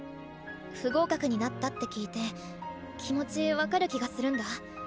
不合格になったって聞いて気持ち分かる気がするんだ。